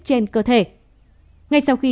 trên cơ thể ngay sau khi